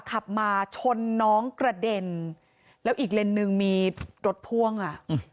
ขับมาชนน้องกระเด็นแล้วอีกเลนส์หนึ่งมีรถพ่วงอ่ะ